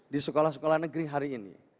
di sekolah sekolah negeri hari ini